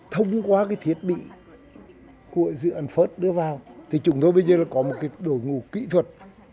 thông qua cái thiết bị của dự ẩn phớt đưa vào thì chúng tôi bây giờ có một cái đồ ngủ kỹ thuật